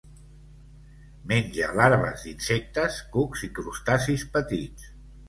Menja larves d'insectes, cucs i crustacis petits.